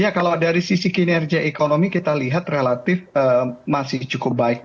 ya kalau dari sisi kinerja ekonomi kita lihat relatif masih cukup baik